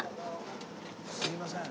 すみません。